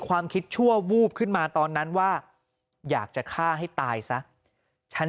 ความคิดชั่ววูบขึ้นมาตอนนั้นว่าอยากจะฆ่าให้ตายซะฉัน